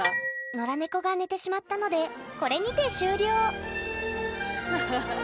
ノラ猫が寝てしまったのでこれにて終了あすごい。